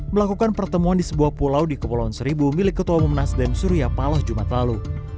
melakukan pertemuan di sebuah pulau di kepulauan seribu milik ketua umum nasdem surya paloh jumat lalu